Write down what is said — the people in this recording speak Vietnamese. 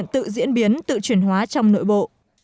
trong nội bộ